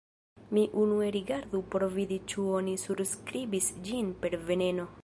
Mi unue rigardu por vidi ĉu oni surskribis ĝin per veneno.